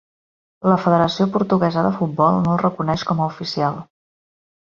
La Federació Portuguesa de Futbol no el reconeix com a oficial.